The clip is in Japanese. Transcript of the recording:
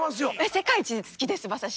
世界一好きです馬刺し。